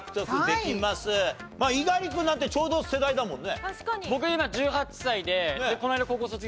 猪狩君なんてちょうど世代だもんね。